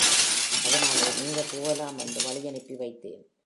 அதனாலே நீங்க போகலாம் என்து வழியனுப்பி, வைத்தேன்.